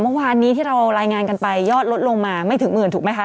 เมื่อวานนี้ที่เรารายงานกันไปยอดลดลงมาไม่ถึงหมื่นถูกไหมคะ